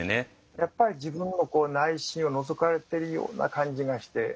やっぱり自分の内心をのぞかれてるような感じがして。